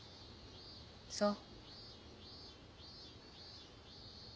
そう。